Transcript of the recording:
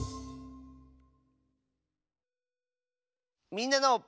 「みんなの」。